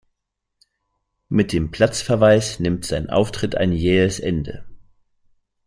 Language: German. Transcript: Mit dem Platzverweis nimmt sein Auftritt ein jähes Ende.